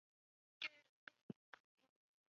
避免掉了风险